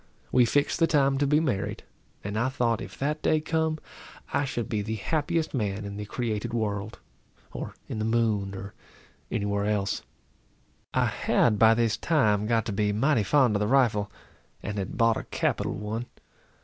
We fixed the time to be married; and I thought if that day come, I should be the happiest man in the created world, or in the moon, or any where else. I had by this time got to be mighty fond of the rifle, and had bought a capital one.